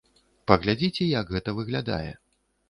Паглядзіце як гэта выглядае.